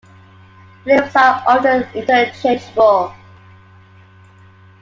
The names are often interchangeable.